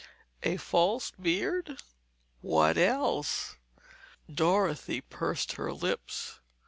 "A false beard?" "What else?" Dorothy pursed her lips.